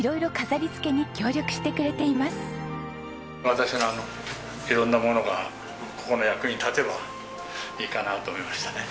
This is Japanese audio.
私の色んなものがここの役に立てばいいかなと思いましたね。